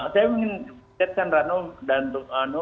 saya ingin lihatkan rano dan rufano